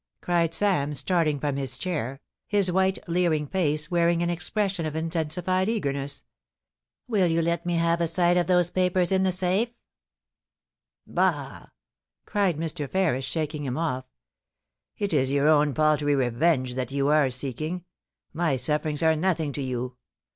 cried Sam, starting from his chair, his white, leering face wearing an expression of intensified eagerness. * Will you let me have a sight of those papers in the safe ?Bah !' cried Mr. Ferris, shaking him ofiC * It is your l^^W^^' 304 POLICY AND PASSION. own paltry revenge that you are seeking. My sufferings are nothing to you.